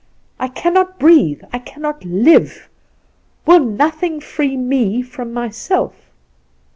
I cannot breathe, I cannot live! Will nothing free me from myself?"